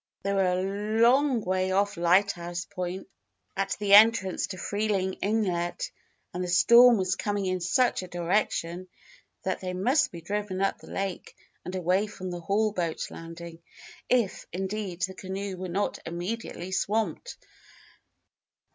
They were a long way off Lighthouse Point, at the entrance to Freeling Inlet, and the storm was coming in such a direction that they must be driven up the lake and away from the Hall boat landing if, indeed, the canoe were not immediately swamped.